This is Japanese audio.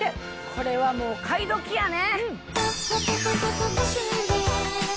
これはもう買い時やね！